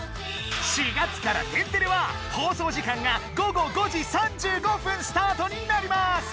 ４月から「天てれ」は放送時間が午後５時３５分スタートになります！